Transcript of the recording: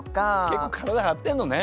結構体張ってんのね。